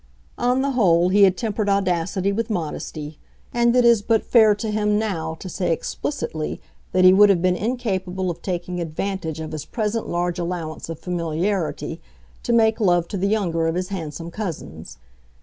On the whole, he had tempered audacity with modesty; and it is but fair to him now to say explicitly that he would have been incapable of taking advantage of his present large allowance of familiarity to make love to the younger of his handsome cousins.